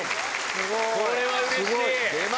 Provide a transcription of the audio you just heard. これはうれしい！